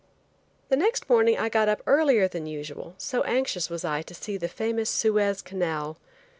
The next morning I got up earlier than usual so anxious was I to see the famous Suez Canal.